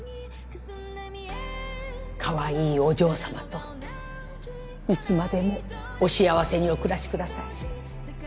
カワイイお嬢さまといつまでもお幸せにお暮らしください。